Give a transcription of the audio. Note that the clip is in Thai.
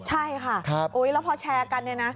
ใช่ค่ะแล้วพอแชร์กันเนี่ยนะ